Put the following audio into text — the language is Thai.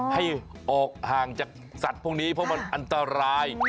ให้ออกห่างจากสัตว์พวกนี้เพราะมันอันตราย